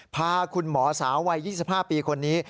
พาคุณหมอสาววัย๒๕ปีคนนี้